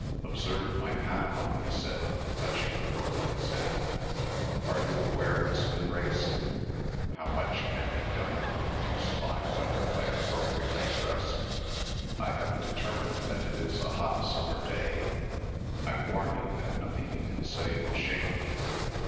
"Observe my Panama," he said, touching the brim of his hat. "Are you aware, Miss Vinrace, how much can be done to induce fine weather by appropriate headdress? I have determined that it is a hot summer day; I warn you that nothing you can say will shake me.